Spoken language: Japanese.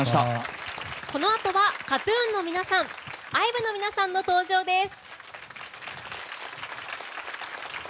このあとはＫＡＴ‐ＴＵＮの皆さんＩＶＥの皆さんの登場です。